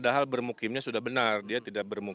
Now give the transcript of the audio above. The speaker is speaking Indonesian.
selalu di bawah ecob post